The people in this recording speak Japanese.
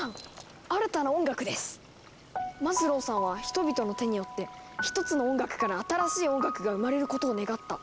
マズローさんは人々の手によって一つの音楽から新しい音楽が生まれることを願った。